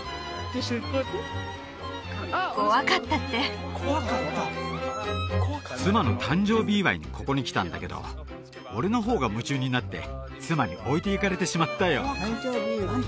「怖かった」って妻の誕生日祝いにここに来たんだけど俺の方が夢中になって妻に置いていかれてしまったよ